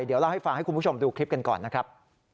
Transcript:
เดี๋ยวเล่าให้ฟังให้คุณผู้ชมดูคลิปกันก่อนนะครับ